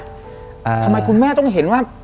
ทำไมคุณแม่ต้องเห็นว่า